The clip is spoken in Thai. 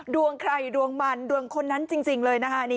ดวงใครดวงมันดวงคนนั้นจริงเลยนะคะ